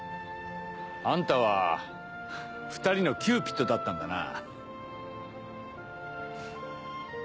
あんたは２人のキューピッドだったんだな。